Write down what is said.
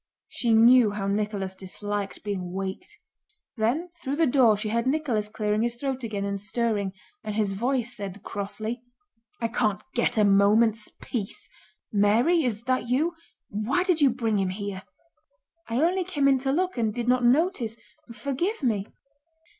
She knew how Nicholas disliked being waked. Then through the door she heard Nicholas clearing his throat again and stirring, and his voice said crossly: "I can't get a moment's peace.... Mary, is that you? Why did you bring him here?" "I only came in to look and did not notice... forgive me...."